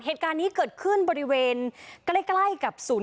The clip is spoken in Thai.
เหตุการณ์นี้เกิดขึ้นบริเวณใกล้กับศูนย์การท้าฟิวเจ้าปาร์คลังศิษย์